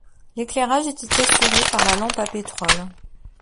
L'éclairage était assuré par lampe à pétrole.